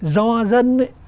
do dân ấy